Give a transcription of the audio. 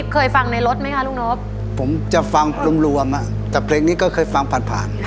ก็รวมอะแต่เพลงนี้ก็เคยฟังผ่าน